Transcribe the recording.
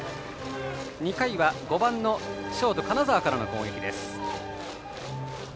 ２回は５番のショート金澤からの攻撃です。